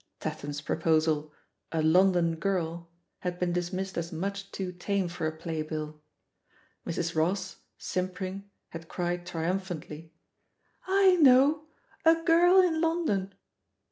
Tatham's proposal, "A London Girl," had been dismissed as much too tame for a play bill. Mrs. Ross, simpering, had cried trium phantly, "I know! *A Girl in London.'